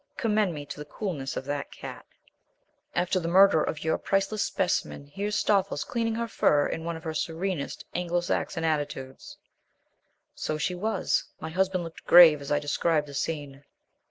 Commend me to the coolness of that cat. After the murder of your priceless specimen, here's Stoffles cleaning her fur in one of her serenest Anglo Saxon attitudes." So she was. My husband looked grave as I described the scene.